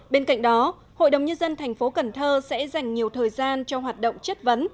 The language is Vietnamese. bên cạnh đó hội đồng nhân dân thành phố cần thơ sẽ dành nhiều thời gian cho hoạt động chất vấn